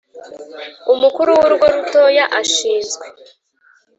Umukuru w Urugo Rutoya ashinzwe